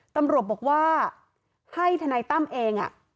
ตำรวจบอกว่าให้ทนายตั้มเอง